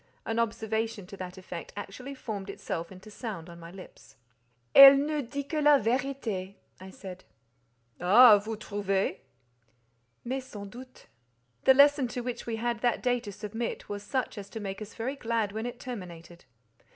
An observation to that effect actually formed itself into sound on my lips. "Elle ne dit que la vérité," I said. "Ah! vous trouvez?" "Mais, sans doute." The lesson to which we had that day to submit was such as to make us very glad when it terminated.